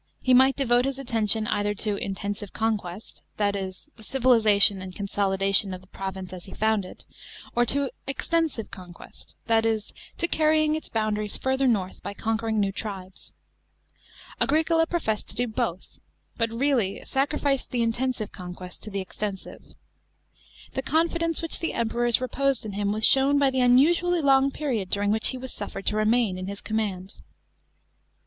He might devote his atten tion either to " intensive conquest," that is, the civilisation and consolidation of the province as he found it, or to " extensive conquest," that is, to carrying its boundaries further north by con quering new tribes. Agricola professed to do both, but really sacrificed the intensive conquest to the extensive. The confidence which the Emperors reposed in him was shown by the unusually long period during which he was suffered to remain in his command.